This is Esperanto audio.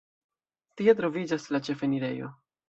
Tie troviĝas la ĉefenirejo.